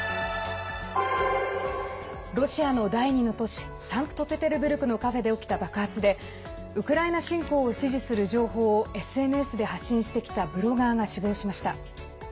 ロシアの第２の都市サンクトペテルブルクのカフェで起きた爆発でウクライナ侵攻を支持する情報をＳＮＳで発信してきたブロガーが死亡しました。